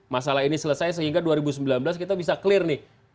masalah ini selesai sehingga dua ribu sembilan belas kita bisa clear nih